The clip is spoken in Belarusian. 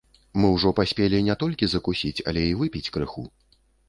Мы ўжо паспелі не толькі закусіць, але й выпіць крыху.